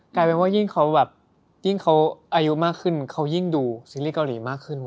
กลายเป็นว่ายิ่งเขาอายุมากขึ้นเขายิ่งดูซีรีส์เกาหลีมากขึ้นว่ะ